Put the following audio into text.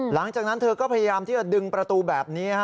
หลังจากนั้นเธอก็พยายามที่จะดึงประตูแบบนี้